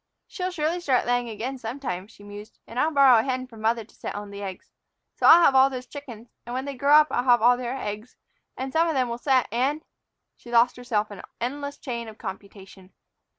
"She'll surely start laying again some time," she mused, "and I'll borrow a hen from mother to set on the eggs. So I'll have all those chickens, and when they grow up I'll have all their eggs, and some of them will set, and " She lost herself in an endless chain of computation.